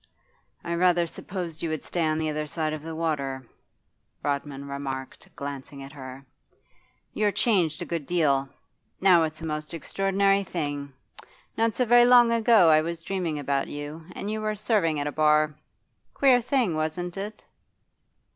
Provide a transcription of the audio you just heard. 'I rather supposed you would stay on the other side of the water,' Rodman remarked, glancing at her. 'You're changed a good deal. Now it's a most extraordinary thing. Not so very long ago I was dreaming about you, and you were serving at a bar queer thing, wasn't it?